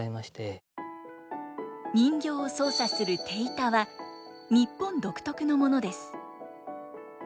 人形を操作する手板は日本独特のものです。